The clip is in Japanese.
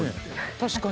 確かに。